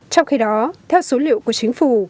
trong khi đó theo số liệu của chính phủ